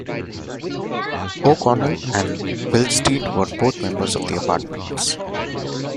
O'Connell and Willsteed were both members of the Apartments.